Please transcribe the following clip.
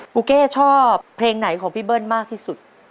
เก้ชอบเพลงไหนของพี่เบิ้ลมากที่สุด